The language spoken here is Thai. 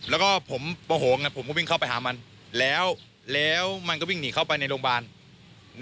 แล้วก็ผมโมโหไงผมก็วิ่งเข้าไปหามันแล้วมันก็วิ่งหนีเข้าไปในโรงพยาบาล